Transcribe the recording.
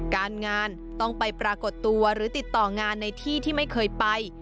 การงานต้องไปปรากฏตัวหรือติดต่องานในที่ที่ไม่เคยไป